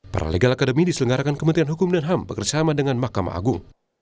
paralegal academy diselenggarakan kementerian hukum dan ham bekerjasama dengan mahkamah agung